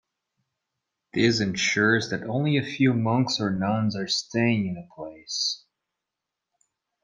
This ensures that only a few monks or nuns are staying in a place.